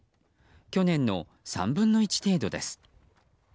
去年の３分の１程度です。